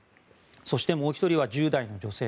そして、もう１人は１０代の女性。